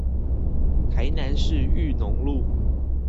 台南市裕農路